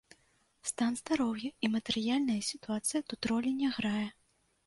Стан здароўя і матэрыяльная сітуацыя тут ролі не грае.